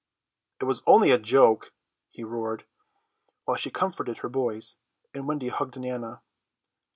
"It was only a joke," he roared, while she comforted her boys, and Wendy hugged Nana.